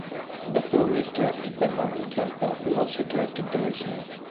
The film is directed by Martin Campbell, who also directed the original.